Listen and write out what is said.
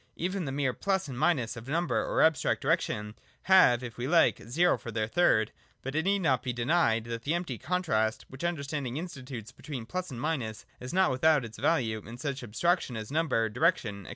Even the mere plus and minus of number or abstract direction have, it we like, zero, for their third : but it need not be denied that the empty contrast, which understanding institutes between plus and minus, is not without its value in such abstractions as number, direction, &c.